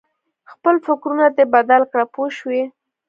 خپل فکرونه دې بدل کړه پوه شوې!.